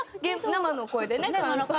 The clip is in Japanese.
生の声で。